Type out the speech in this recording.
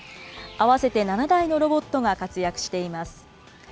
合わせて７台のロボットが活躍しています。